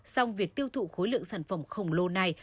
song việc tiêu thụ khối lượng sản phẩm khổng lồ này